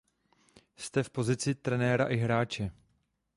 Jste v pozici trenéra i hráče.